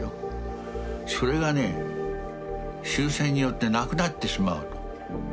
それがね終戦によってなくなってしまうと。